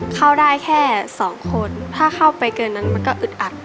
เข้าได้แค่สองคนถ้าเข้าไปเกินนั้นมันก็อึดอัด